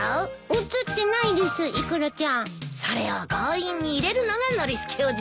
それを強引に入れるのがノリスケおじさんなんだよ。